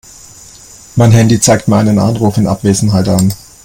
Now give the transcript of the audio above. Mein Handy zeigt mir einen Anruf in Abwesenheit an.